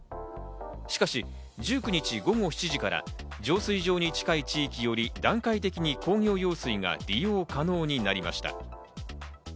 しかし１９日午後７時から、浄水場に近い地域より段階的に工業用水が利用可能になりました。